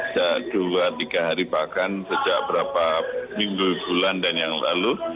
sejak dua tiga hari bahkan sejak berapa minggu bulan dan yang lalu